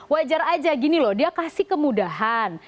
wajar aja gini loh dia kasih kemudahan